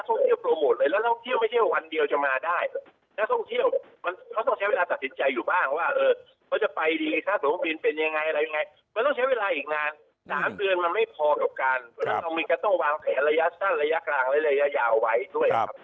ก็ต้องมีการต้องวางแขนระยะสั้นระยะกลางและระยะยาวไว้ด้วยครับ